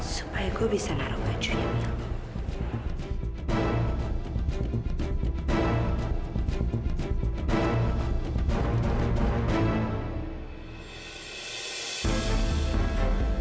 supaya gue bisa naruh ke rumah